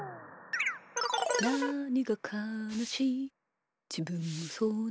「なにかかなしいじぶんもそうなのに」